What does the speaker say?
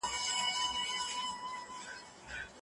موږ د اقتصادي او غیر اقتصادي شرایطو مطالعه کوو.